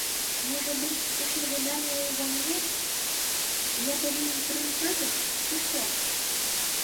Можа быць, усё жаданне ў ва мне, і я павінен прымушаць іх ці што?